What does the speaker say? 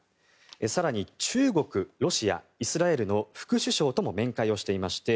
更に中国、ロシア、イスラエルの副首相とも面会をしていまして